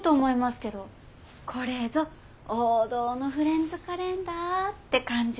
これぞ王道のフレンズカレンダーって感じで。